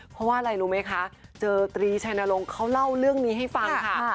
เพราะว่าอะไรรู้ไหมคะเจอตรีชัยนรงค์เขาเล่าเรื่องนี้ให้ฟังค่ะ